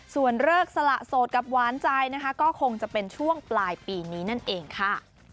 ส่วนเลิกสละโสดกับหวานใจนะคะก็คงจะเป็นช่วงปลายปีนี้นั่นเองค่ะ